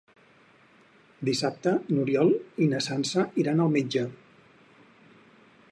Dissabte n'Oriol i na Sança iran al metge.